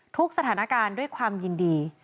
ทุกสถานการณ์ด้วยความยินดี